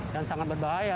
dan sangat berbahaya